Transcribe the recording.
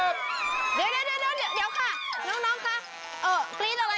เดี๋ยว